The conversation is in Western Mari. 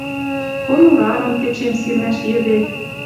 Гонорарым кӹчем сирмӓш йӹде